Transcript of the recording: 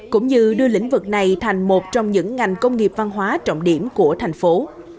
cũng như đưa lĩnh vực này thành một trong những ngành công nghiệp văn hóa trọng điểm của thành phố